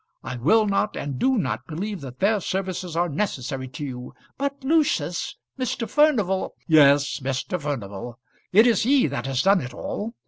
I will not, and do not believe that their services are necessary to you " "But, Lucius, Mr. Furnival " "Yes; Mr. Furnival! It is he that has done it all.